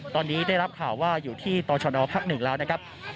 ตอนนี้ได้รับข่าวว่าอยู่ที่ตชนภักดิ์แล้วนะครับ